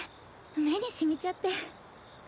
目に染みちゃって。